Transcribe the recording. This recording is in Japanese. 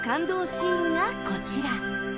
シーンがこちら。